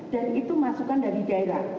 dan itu masukkan dari daerah